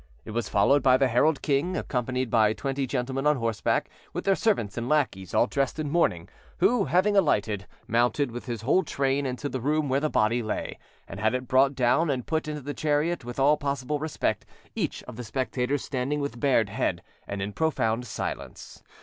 It was followed by the herald king, accompanied by twenty gentlemen on horseback, with their servants and lackeys, all dressed in mourning, who, having alighted, mounted with his whole train into the room where the body lay, and had it brought down and put into the chariot with all possible respect, each of the spectators standing with bared head and in profound silence.